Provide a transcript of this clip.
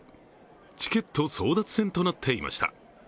チケット争奪戦となっていました。